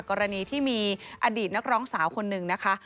กรณีที่มีอดีตนักร้องสาวคนหนึ่งนะคะ